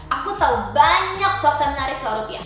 aku tau banyak faktor menarik soal rupiah